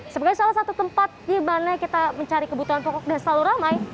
sebagai salah satu tempat di mana kita mencari kebutuhan pokok dan selalu ramai